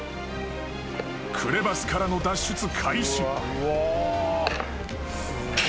［クレバスからの脱出開始］